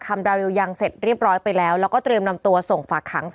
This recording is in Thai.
ไม่ได้ดังขนาดนั้นหรอกน้อง